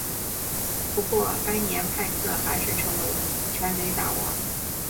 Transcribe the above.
不过该年派克还是成为全垒打王。